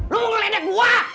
lo mau ngeledek gua